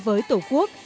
với tổ quốc